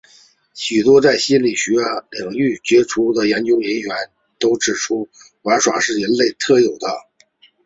许多在心理学领域杰出的研究人员都指出玩耍是人类特有的。